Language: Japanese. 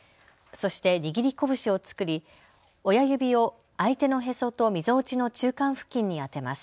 そして握り拳を作り、親指を相手のへそとみぞおちの中間付近に当てます。